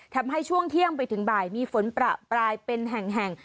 ทำให้ช่วงเที่ยงไปถึงบ่ายมีฝนประปรายเป็นแห่ง